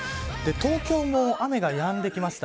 東京も雨がやんできました。